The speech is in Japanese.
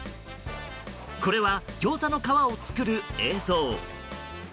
これはギョーザの皮を作る映像。